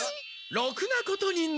ろくなことになる！